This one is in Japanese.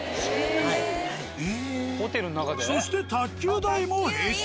そして卓球台も併設。